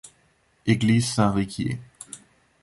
Église Saint-Riquier.